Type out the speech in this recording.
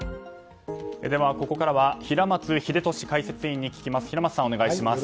ここからは平松秀敏解説委員に聞きます。